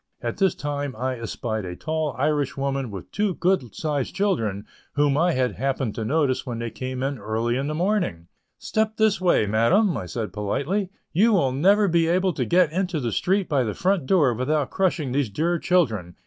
At this time I espied a tall Irish woman with two good sized children whom I had happened to notice when they came in early in the morning. "Step this way, madam," said I politely, "you will never be able to get into the street by the front door without crushing these dear children.